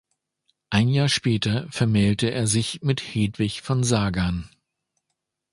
Ein Jahr später vermählte er sich mit Hedwig von Sagan.